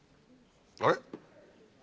あれ？